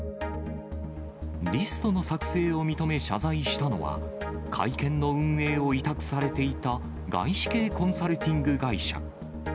リストの作成を認め、謝罪したのは、会見の運営を委託されていた外資系コンサルティング会社。